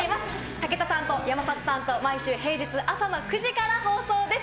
武田さんと山里さんと、毎週平日朝の９時から放送です。